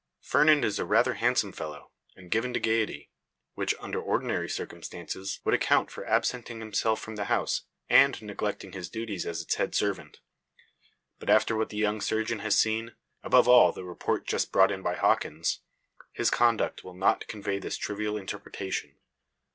Fernand is rather a handsome fellow, and given to gaiety; which, under ordinary circumstances, would account for his absenting himself from the house, and neglecting his duties as its head servant. But after what the young surgeon has seen above all the report just brought in by Hawkins his conduct will not convey this trivial interpretation.